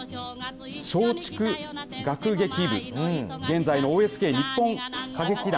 この松竹楽劇部現在のＯＳＫ日本歌劇団